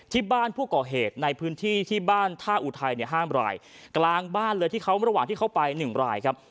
ที่บ้านผู้ก่อเหตุในพื้นที่ที่บ้านท่าอุทัยเนี่ยห้ามรายกลางบ้านเลยที่เขาระหว่างที่เขาไปหนึ่งรายครับ